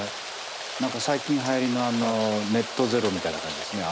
何か最近はやりのネットゼロみたいな感じですね。